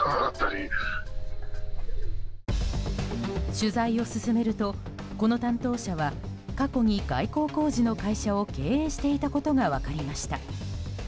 取材を進めると、この担当者は過去に外構工事の会社を経営していたことが分かりました。